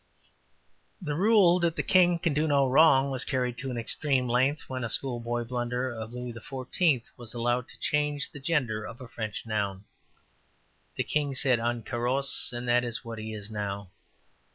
The rule that ``the King can do no wrong'' was carried to an extreme length when a schoolboy blunder of Louis XIV. was allowed to change the gender of a French noun. The King said ``un carosse,'' and that is what it is now.